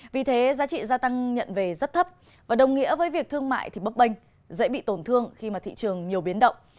vì thế giá trị gia tăng nhận về rất thấp và đồng nghĩa với việc thương mại thì bấp bênh dễ bị tổn thương khi mà thị trường nhiều biến động